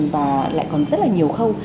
và lại còn rất là nhiều